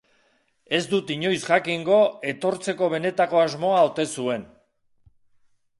Ez dut inoiz jakingo etortzeko benetako asmoa ote zuen.